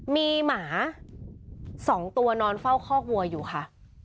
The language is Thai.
มีหมา๒ตัวนอนเฝ้าคอกวัวอยู่ค่ะ